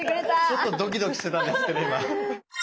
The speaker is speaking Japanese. ちょっとドキドキしてたんですけど今。